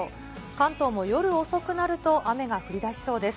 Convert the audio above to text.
関東も夜遅くなると雨が降りだしそうです。